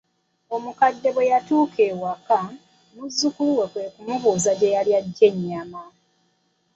Omukadde bwe yatuuka eka, muzzukulu we kwe kumubuuza gye yali ajje ennyama.